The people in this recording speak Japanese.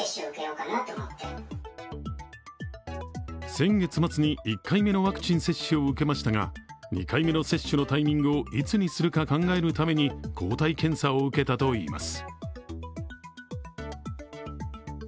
先月末に１回目のワクチン接種を受けましたが２回目の接種のタイミングをいつにするか考えるために抗体検査を受けたといいます。